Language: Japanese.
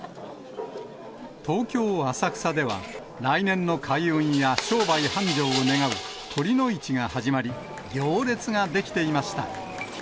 東京・浅草では、来年の開運や商売繁盛を願う酉の市が始まり、行列が出来ていました。